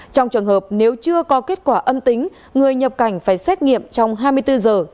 trong trường hợp nếu chưa có kết quả âm tính người nhập cảnh phải xét nghiệm trong hai mươi bốn giờ